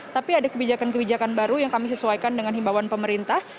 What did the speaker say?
tapi ada kebijakan kebijakan baru yang kami sesuaikan dengan himbawan pemerintah